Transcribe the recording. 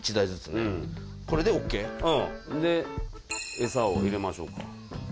エサを入れましょうか。